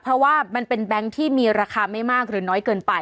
เพราะว่ามันเป็นแบงค์ที่มีราคาไม่มากหรือน้อยเกินไป